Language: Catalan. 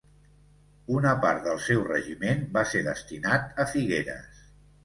Una part del seu regiment va ser destinat a Figueres.